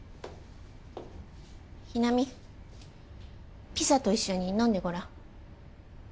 ヒナミピザと一緒に飲んでごらん。